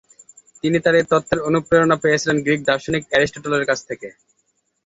তিনি তার এই তত্ত্বের অনুপ্রেরণা পেয়েছিলেন গ্রিক দার্শনিক অ্যারিস্টটলের কাছ থেকে।